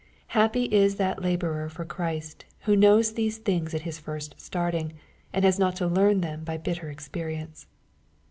Happy is that laborer for Christ, who knows these things at his first starting, and has not to learn them by bitter experience